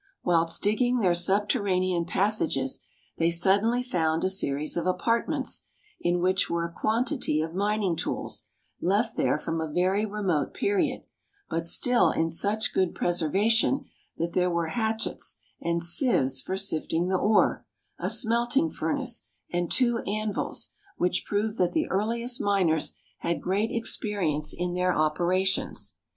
Whilst digging their subterranean passages they suddenly found a series of apartments, in which were a quantity of mining tools, left there from a very remote period, but still in such good preservation that there were hatchets, and sieves for sifting the ore, a smelting furnace, and two anvils, which proved that the earliest miners had great experience in their operations.